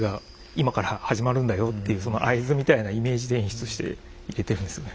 今から始まるんだよっていうその合図みたいなイメージで演出して入れてるんですよね。